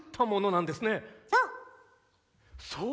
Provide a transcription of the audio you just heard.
そう。